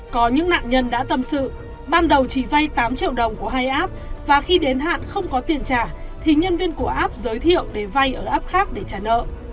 có những nạn nhân đã tâm sự ban đầu chỉ vay tám triệu đồng của hai app và khi đến hạn không có tiền trả thì nhân viên của app giới thiệu để vay ở ấp khác để trả nợ